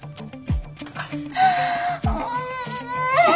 うん。